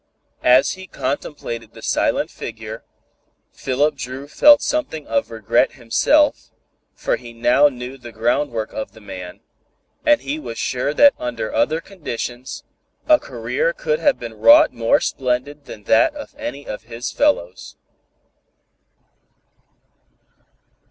As he contemplated the silent figure, Philip Dru felt something of regret himself, for he now knew the groundwork of the man, and he was sure that under other conditions, a career could have been wrought more splendid than that of any of his fellows.